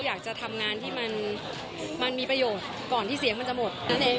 อยากจะทำงานที่มันมีประโยชน์ก่อนที่เสียงมันจะหมดนั่นเอง